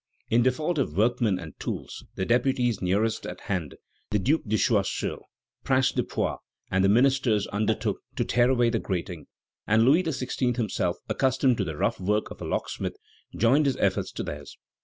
In default of workmen and tools, the deputies nearest at hand, the Duke de Choiseul, Prince de Poix, and the ministers, undertook to tear away the grating, and Louis XVI. himself, accustomed to the rough work of a locksmith, joined his efforts to theirs.